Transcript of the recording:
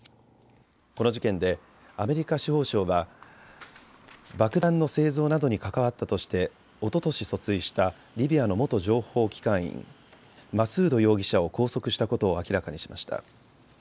この事件でアメリカ司法省は爆弾の製造などに関わったとしておととし訴追したリビアの元情報機関員、マスード容疑者を拘束したことを明らかにしました。